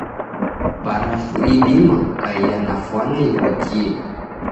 Barafu idima kukaia na fwana ighokie.